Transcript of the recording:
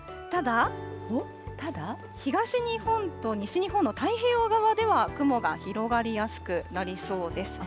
ただ、東日本と西日本の太平洋側では、雲が広がりやすくなりそうです。